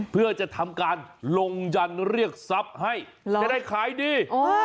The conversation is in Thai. เพื่อจะทำการลงยันเรียกทรัพย์ให้จะได้ขายดี